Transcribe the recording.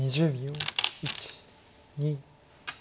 １２。